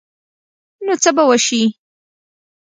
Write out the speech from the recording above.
نو څه به وشي ؟